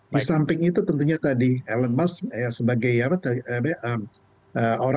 di samping itu tentunya tadi alan musk sebagai orang yang punya penyelenggaraan